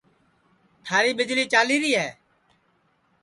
تھاری ٻیجݪی چالیری ہے